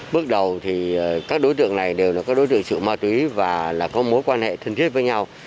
bước đầu thì các đối tượng này đều là các đối tượng chịu ma túy và có mối quan hệ thân thiết với nhau